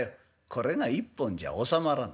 これが１本じゃおさまらない。